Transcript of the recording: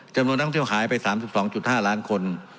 จำนวนนักท่องเที่ยวหายไป๓๒๕ล้านคน